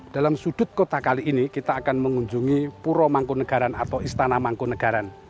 dalam sudut kota kali ini kita akan mengunjungi puro mangkunegaran atau istana mangkunagaran